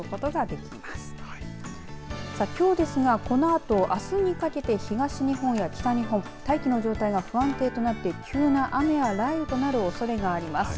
きょうですが、このあとあすにかけて東日本や北日本大気の状態が不安定となって急な雨や雷雨となるおそれがあります。